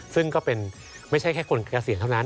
ซึ่งก็เป็นไม่ใช่แค่คนเกษียณเท่านั้น